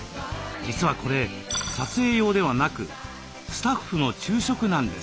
実はこれ撮影用ではなくスタッフの昼食なんです。